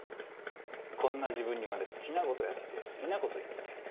こんな時分にまで好きなことやって好きなこと言って。